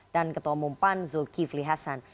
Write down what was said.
dan ketua umum pan zulkifli hasan